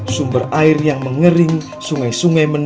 sumber air yang mengering sungai sungai